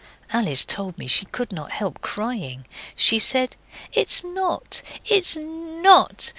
Alice told me she could not help crying. She said 'It's not! it's NOT!